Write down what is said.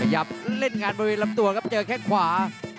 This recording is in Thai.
เล่นงานบริเวณลำตัวครับเจอแค่ขวา